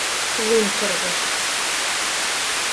Лунчыргыш.